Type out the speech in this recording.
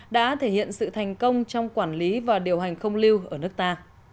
đã thể hiện sự thành công trong quản lý và điều hành không lưu ở nước ta